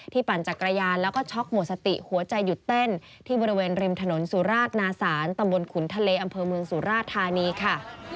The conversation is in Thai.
ปั่นจักรยานแล้วก็ช็อกหมดสติหัวใจหยุดเต้นที่บริเวณริมถนนสุราชนาศาลตำบลขุนทะเลอำเภอเมืองสุราชธานีค่ะ